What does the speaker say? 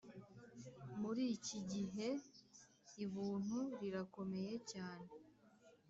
muri kigihe ibuntu rirakomeye cyane